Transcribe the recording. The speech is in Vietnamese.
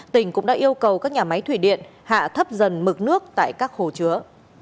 tỉnh cũng đã yêu cầu các nhà máy thủy điện hạ thấp dần mực nước tại các hồ chứa